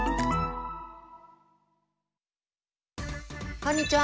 こんにちは。